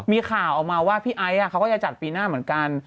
มีข่าวออกมาว่าพี่ไอซ์เขาก็จะจัดปีหน้าเหมือนกัน